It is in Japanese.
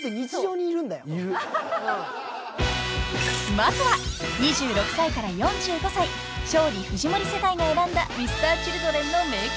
［まずは２６歳から４５歳勝利・藤森世代が選んだＭｒ．Ｃｈｉｌｄｒｅｎの名曲］